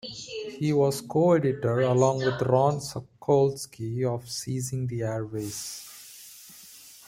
He was coeditor along with Ron Sakolsky of Seizing the Airwaves.